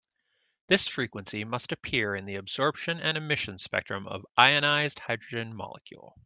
This frequency must appear in the absorption and emission spectrum of ionized hydrogen molecule.